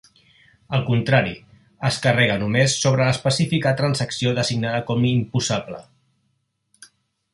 Al contrari, es carrega només sobre l'específica transacció designada com imposable.